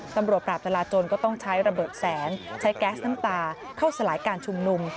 ตำรวจปราบจราจนก็ต้องใช้ระเบิดแสงใช้แก๊สน้ำตาเข้าสลายการชุมนุม